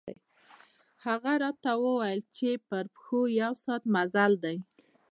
هغه راته ووېل چې په پښو یو ساعت مزل دی.